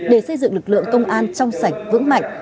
để xây dựng lực lượng công an trong sạch vững mạnh